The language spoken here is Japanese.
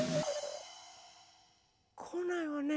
こないわね。